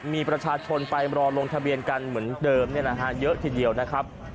มีประชาชนไปรอลงทะเบียนกันเหมือนเดิมเยอะทีเดียวนะครับ